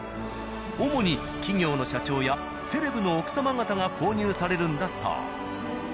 主に企業の社長やセレブの奥様方が購入されるんだそう。